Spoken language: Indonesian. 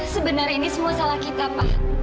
sebenarnya ini semua salah kita pak